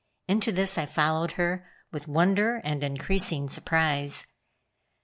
Into this I followed her with wonder and increasing surprise.